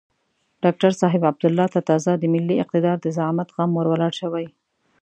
ډاکتر صاحب عبدالله ته تازه د ملي اقتدار د زعامت غم ور ولاړ شوی.